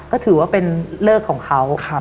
ก็ถือว่าเป็นเลิกของเขา